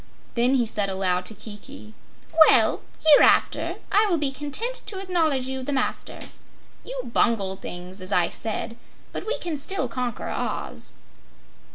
Then he said aloud to Kiki: "Well, hereafter I will be content to acknowledge you the master. You bungled things, as I said, but we can still conquer Oz."